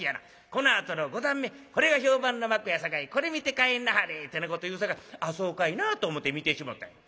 このあとの五段目これが評判の幕やさかいこれ見て帰んなはれ』ってなこと言うさかい『ああそうかいな』と思って見てしもたんや。